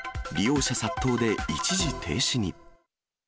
利用者殺到で一時停止に。